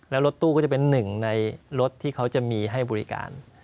แล้วรถตู้ก็จะเป็นหนึ่งในรถที่เขาจะมีให้บริการ